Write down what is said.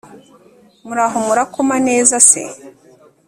Muraho murakoma neza se